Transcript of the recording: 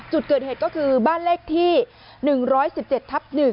จุดเกิดเหตุก็คือบ้านเลขที่๑๑๗ทับ๑